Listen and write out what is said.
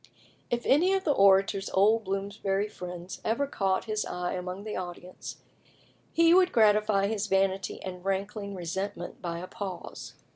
If any of the Orator's old Bloomsbury friends ever caught his eye among the audience, he would gratify his vanity and rankling resentment by a pause.